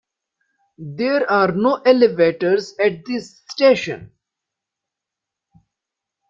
There are no elevators at this station.